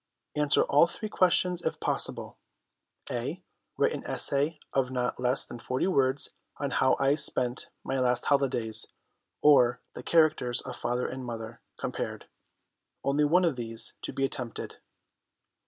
Answer all three questions if possible." "(A) Write an essay of not less than 40 words on How I spent my last Holidays, or The Characters of Father and Mother compared. Only one of these to be attempted."